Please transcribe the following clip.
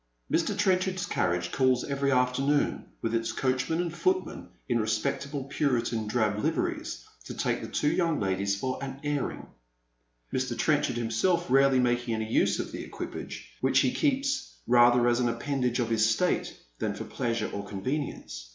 Mr. Trenchard's carriage calls every afternoon, with its coach man and footman in respectable Puritan drab liveries, to take the two young ladies for an airing ; Mr. Trenchard himself rarely making any use of the equipage, which he keeps rather as an appendage of his state than for pleasure or convenience.